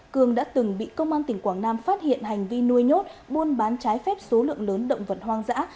cương đã từng bị công an tỉnh quảng nam phát hiện hành vi nuôi nhốt buôn bán trái phép số lượng lớn động vật hoang dã